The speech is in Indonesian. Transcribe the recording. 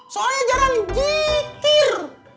soalnya jarang jikir